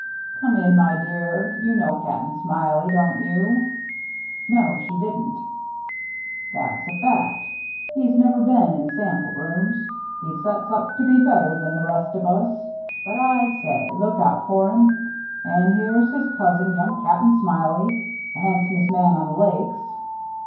" Come in, my dear. You know Cap'n Smiley, don't you?" THE NEW MATE 57 No, she didn't. " That's a fact. He's never seen in sample rooms. He sets up to be better than the rest of us ; but I say, look out for him. And here's his cousin, another Cap'n Smiley, the handsomest man on the Lakes."